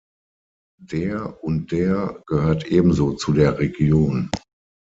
Der und der gehört ebenso zu der Region.